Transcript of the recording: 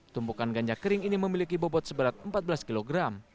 tumpukan ganja kering ini memiliki bobot seberat empat belas kg